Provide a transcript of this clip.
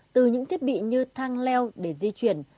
từ những thiết bị như thang leo để di chuyển